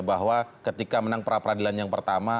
bahwa ketika menang prapradilan yang pertama